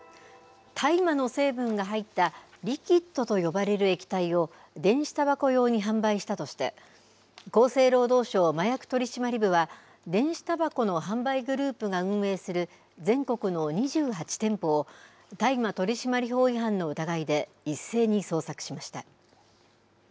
大麻の成分が入ったリキッドと呼ばれる液体を、電子たばこ用に販売したとして、厚生労働省麻薬取締部は、電子たばこの販売グループが運営する全国の２８店舗を、大麻取締法違反の疑いで一斉に捜索しました。